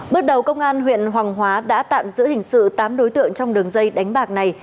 bước đầu công an huyện hoàng hóa đã tạm giữ hình sự tám đối tượng trong đường dây đánh bạc này